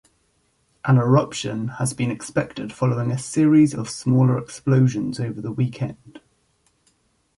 An eruption had been expected following a series of smaller explosions over the weekend.